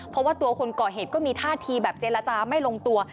เพราะว่าตัวคนก่อเหตุก็มีท่าทีแบบเจรจาไม่ลงตัว